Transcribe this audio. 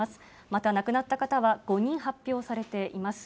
また亡くなった方は５人発表されています。